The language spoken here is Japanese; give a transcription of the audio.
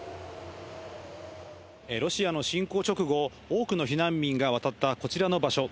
ロシアの侵攻直後、多くの避難民が渡ったこちらの場所。